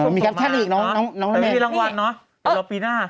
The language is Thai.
มีครับท่านอีกน้องแม่มีรางวัลเนอะแต่เราปีหน้า